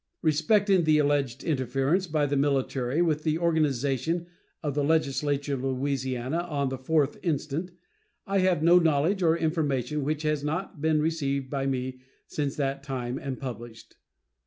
Respecting the alleged interference by the military with the organization of the legislature of Louisiana on the 4th instant, I have no knowledge or information which has not been received by me since that time and published.